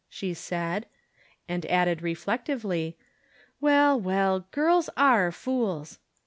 " she said ; and . added, reflectively: "Well, well, girls are fools."